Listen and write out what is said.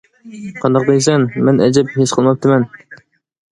-قانداق دەيسەن؟ مەن ئەجەب ھېس قىلماپتىمەن.